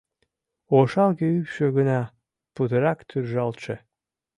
Ошалге ӱпшӧ гына путырак туржалтше.